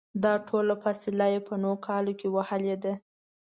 دا ټوله فاصله یې په نهو کالو کې وهلې ده.